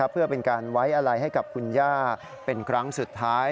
เพื่อเป็นการไว้อะไรให้กับคุณย่าเป็นครั้งสุดท้าย